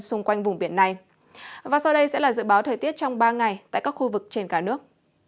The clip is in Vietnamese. xung quanh vùng biển này và sau đây sẽ là dự báo thời tiết trong ba ngày tại các khu vực trên cả nước